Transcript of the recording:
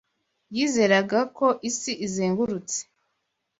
Yizeraga ko isi izengurutse.